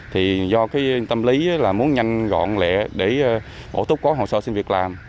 thì do cái tâm lý là muốn nhanh gọn lẹ để ổ túc có hồ sơ xin việc làm